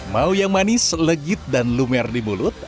mau yang manis legit dan lumer di mulut